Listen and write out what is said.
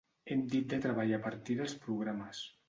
Hem dit de treballar a partir dels programes.